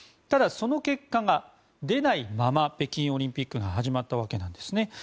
ただ、その結果が出ないまま北京オリンピックが始まったわけなんですね。